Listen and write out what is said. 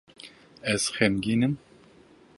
Ez xemgîn im.